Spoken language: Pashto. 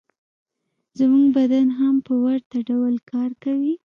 زموږ بدن هم په ورته ډول کار کوي